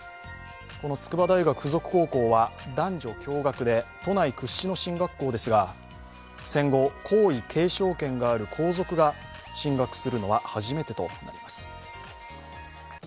この筑波大学附属高校は男女共学で都内屈指の進学校ですが、戦後、皇位継承権がある皇族が進学するのは初めてとなります。